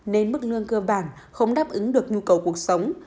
nên mức lương cơ bản không đáp ứng được nhu cầu cuộc sống